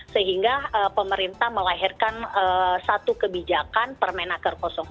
sehingga pemerintah melahirkan satu kebijakan permen akar dua